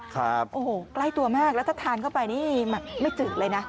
ครับโอ้โหใกล้ตัวมากแล้วถ้าทานเข้าไปนี่ไม่จืดเลยนะ